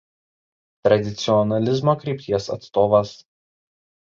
Tradicionalizmo krypties atstovas.